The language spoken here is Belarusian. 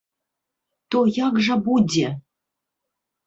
То як жа будзе?